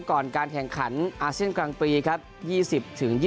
ก่อนการแข่งขันอาเซียนกลางปีครับ